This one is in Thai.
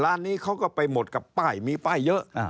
ร้านนี้เขาก็ไปหมดกับป้ายมีป้ายเยอะ